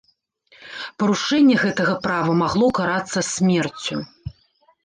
Парушэнне гэтага права магло карацца смерцю.